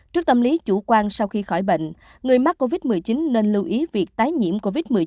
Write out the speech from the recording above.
trước tâm lý chủ quan sau khi khỏi bệnh người mắc covid một mươi chín nên lưu ý việc tái nhiễm covid một mươi chín